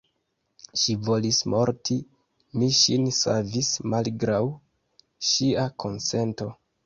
Ŝi volis morti: mi ŝin savis malgraŭ ŝia konsento.